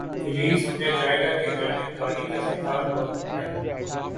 تو یہی سمجھا جائے گا کہ جانب داری کا شکار ہوا ہے۔